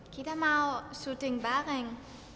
kita mau syuting bareng